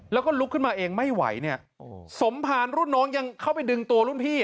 แล้วก็ลุกขึ้นมาเองไม่ไหวเนี่ยโอ้โหสมภารรุ่นน้องยังเข้าไปดึงตัวรุ่นพี่